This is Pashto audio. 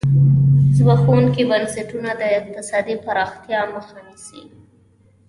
زبېښونکي بنسټونه د اقتصادي پراختیا مخه نیسي.